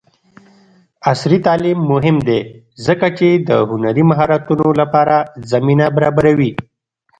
عصري تعلیم مهم دی ځکه چې د هنري مهارتونو لپاره زمینه برابروي.